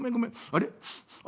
あれ？